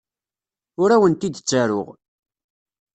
Ur awent-d-ttaruɣ.